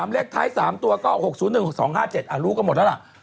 เลขท้าย๓ตัวก็๖๐๑๒๕๗อ่ะรู้ก็หมดแล้วแหละ